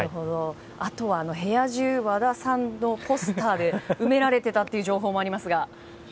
あとは部屋中、和田さんのポスターで埋められていたという情報もありますが。